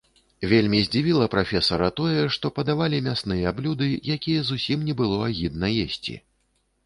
Вельмі здзівіла прафесара тое, што падавалі мясныя блюды, якія зусім не было агідна есці.